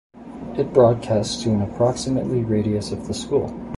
It broadcasts to an approximately radius of the school.